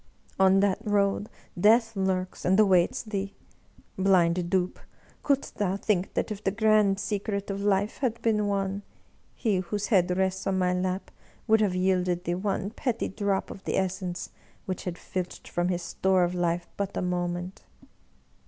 On that road Death lurks, and awaits thee ! Blind dupe, couldst thou think that if the grand secret of life had been won, he whose head rests on my lap would have yielded thee one petty drop of the essence which had filched from his store of life but a moment?